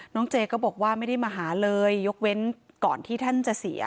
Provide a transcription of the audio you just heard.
เจก็บอกว่าไม่ได้มาหาเลยยกเว้นก่อนที่ท่านจะเสีย